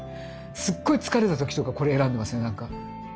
すっごい疲れた時とかこれ選んでますよなんか。